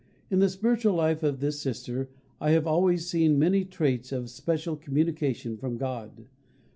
In the spiritual life of this Sister I have always seen many traits of special communication from God.